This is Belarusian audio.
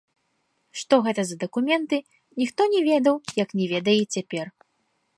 Што гэта за дакументы, ніхто не ведаў, як не ведае і цяпер.